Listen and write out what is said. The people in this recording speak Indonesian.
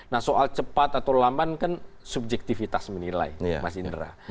nah soal cepat atau lamban kan subjektivitas menilai mas indra